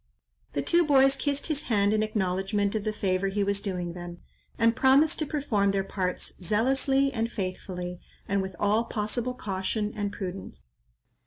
The two boys kissed his hand in acknowledgment of the favour he was doing them; and promised to perform their parts zealously and faithfully, and with all possible caution and prudence.